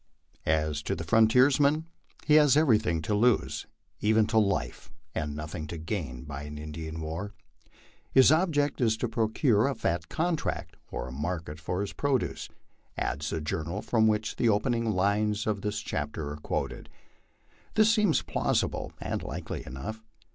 As to the frontiersman, he has everything to lose, even to life, and nothing to gain by an Indian war. " His object is to procure a fat contract or a market for his produce," adds the journal from which the opening lines of this chapter are quoted. This seems plausible and likely enough.